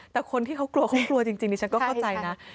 แต่คนที่เขากลัวเขากลัวจริงดิฉันก็เข้าใจนะ